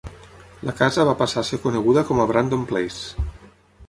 La casa va passar a ser coneguda com a Brandon Place.